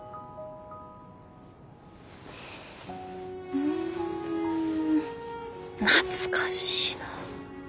うん懐かしいな。